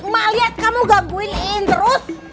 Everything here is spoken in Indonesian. ma liat kamu gangguin e nain terus